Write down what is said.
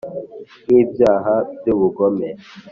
Nk ibyaha by ubugome